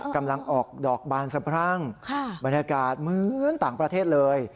กำลังออกดอกบานสะพรั่งบรรยากาศเหมือนต่างประเทศเลย